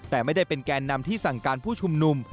แต่ไม่ได้เป็นแกนนำที่สั่งการผู้ชุมนุม